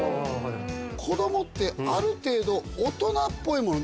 子供ってある程度大人っぽいもの。